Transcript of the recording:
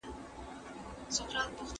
دوی ته د دوی معبودانو ګټه نه ورسول.